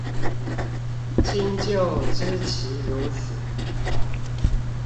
親舊知其如此